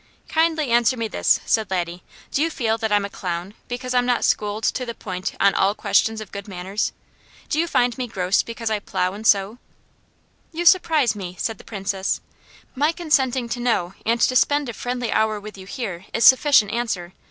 "Kindly answer me this," said Laddie: "Do you feel that I'm a 'clown' because I'm not schooled to the point on all questions of good manners? Do you find me gross because I plow and sow?" "You surprise me," said the Princess. "My consenting to know and to spend a friendly hour with you here is sufficient answer.